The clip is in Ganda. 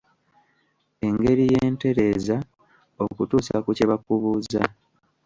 Engeri y'entereeza ekutuusa ku kye bakubuuza.